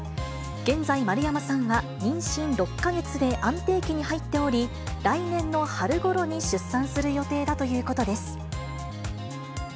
現在、丸山さんは妊娠６か月で安定期に入っており、来年の春ごろに出産する予定だということです。